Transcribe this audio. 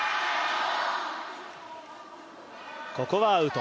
ここはアウト。